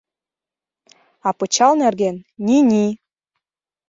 А пычал нерген — ни-ни.